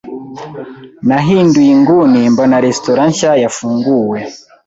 Nahinduye inguni mbona resitora nshya yafunguwe.